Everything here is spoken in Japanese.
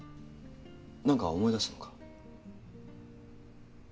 何か思い出したのか？